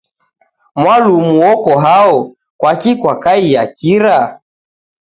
Mwalumu oko hao, kwaki kwakaiya kira?